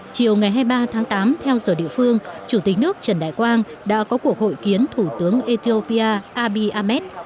chiều ngày hai mươi ba tháng tám theo giờ địa phương chủ tịch nước trần đại quang đã có cuộc hội kiến thủ tướng ethiopia abi ahmed